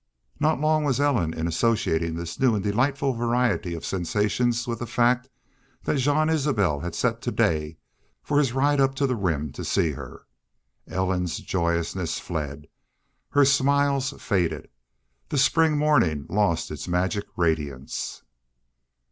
Not long was Ellen in associating this new and delightful variety of sensations with the fact that Jean Isbel had set to day for his ride up to the Rim to see her. Ellen's joyousness fled; her smiles faded. The spring morning lost its magic radiance.